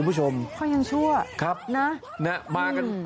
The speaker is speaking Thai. คุณผู้ชมตอนนี้ยังชั่วนะครับ